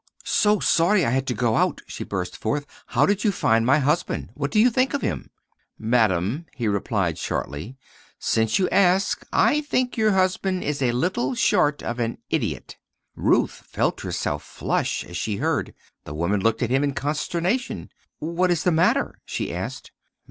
"So sorry I had to go out!" she burst forth. "How did you find my husband? What do you think of him?" "Madame," he replied shortly, "since you ask, I think your husband is little short of an idiot!" Ruth felt herself flush as she heard. The woman looked at him in consternation. "What is the matter?" she asked.